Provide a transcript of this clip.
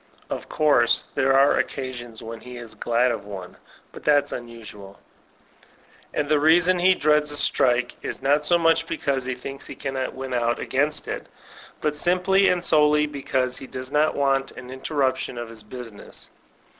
(Of course there are occasions when he is glad of one, but that's unusual.) And the reason he dreads a strike is not so much because he thinks he cannot win out against it, but simply and solely because he does not want an in temiptk)n of his business.